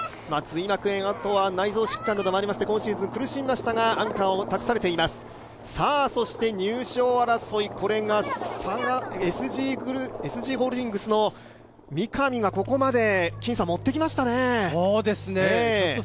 髄膜炎、内臓疾患などで今シーズン苦しみましたが、アンカーを託されています、そして入賞争い、これがＳＧホールディングスの三上がここまで持ってきましたね。